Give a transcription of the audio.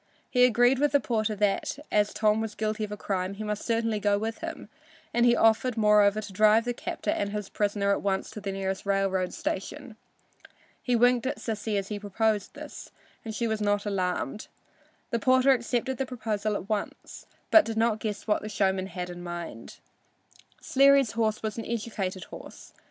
He agreed with the porter that as Tom was guilty of a crime he must certainly go with him, and he offered, moreover, to drive the captor and his prisoner at once to the nearest railroad station. He winked at Sissy as he proposed this, and she was not alarmed. The porter accepted the proposal at once, but he did not guess what the showman had in mind. Sleary's horse was an educated horse.